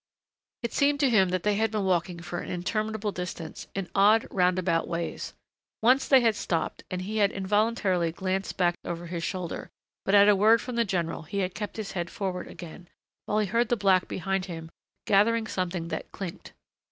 It seemed to him that they had been walking for an interminable distance, in odd, roundabout ways. Once they had stopped and he had involuntarily glanced back over his shoulder, but at a word from the general he had kept his head forward again, while he heard the black behind him gathering something that clinked.